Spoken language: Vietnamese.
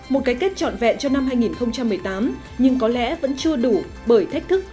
một cái kết trọn vẹn cho năm hai nghìn một mươi tám nhưng có lẽ vẫn chưa đủ bởi thách thức